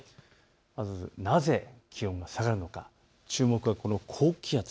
まず、なぜ気温が下がるのか、注目はこの高気圧。